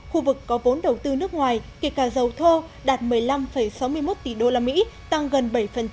khu vực có vốn đầu tư nước ngoài kể cả dầu thô đạt một mươi năm sáu mươi một tỷ usd tăng gần bảy